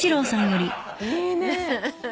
いいね。